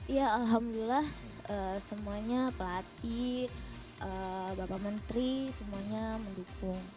ya alhamdulillah semuanya pelatih bapak menteri semuanya mendukung